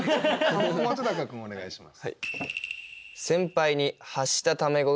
本君お願いします。